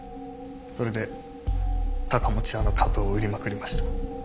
それで高持屋の株を売りまくりました。